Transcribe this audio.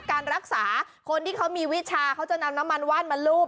การรักษาคนที่เขามีวิชาเขาจะนำน้ำมันว่านมารูป